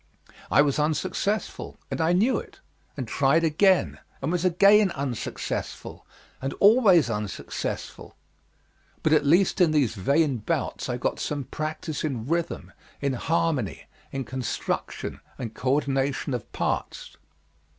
I was unsuccessful, and I knew it; and tried again, and was again unsuccessful, and always unsuccessful; but at least in these vain bouts I got some practice in rhythm, in harmony, in construction and coördination of parts.